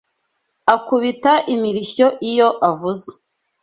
akubita imirishyo iyo avuza.